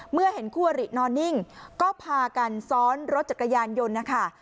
เมื่อเห็นคู่อรินอนนิ่งก็พากันซ้อนรถจักรยานยนต์นะคะ